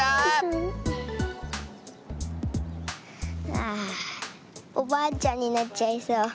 ああおばあちゃんになっちゃいそう。